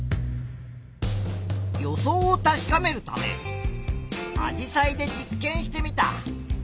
予想を確かめるためアジサイで実験してみた。